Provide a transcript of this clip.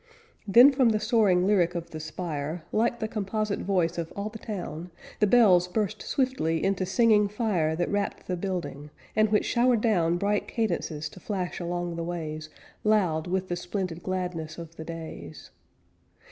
Then from the soaring lyric of the spire, Like the composite voice of all the town, The bells burst swiftly into singing fire That wrapped the building, and which showered down Bright cadences to flash along the ways Loud with the splendid gladness of the days.